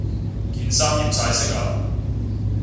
件衫染晒色呀